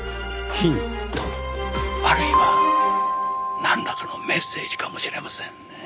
ヒントあるいはなんらかのメッセージかもしれませんねぇ。